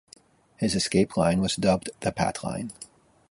His escape line was dubbed the Pat Line.